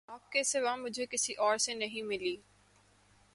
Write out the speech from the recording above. آپ کے سوا مجھے کسی اور سے نہیں ملی